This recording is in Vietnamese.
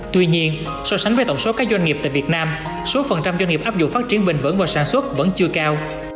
tuy nhiên so sánh với tổng số các doanh nghiệp tại việt nam số phần trăm doanh nghiệp áp dụng phát triển bình vững và sản xuất vẫn chưa cao